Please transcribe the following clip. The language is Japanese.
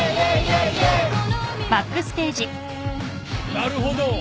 なるほど。